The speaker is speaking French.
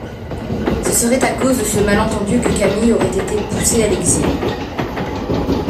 Ce serait à cause de ce malentendu que Camille aurait été poussé à l'exil.